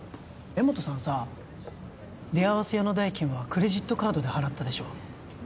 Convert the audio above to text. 江本さんさ出会わせ屋の代金はクレジットカードで払ったでしょ